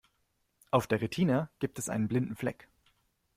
Auf der Retina gibt es einen blinden Fleck.